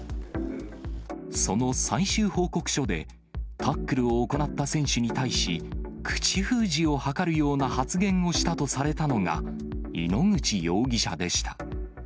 その最終報告書で、タックルを行った選手に対し、口封じを図るような発言をしたとされたのが、井ノ口容疑者でした。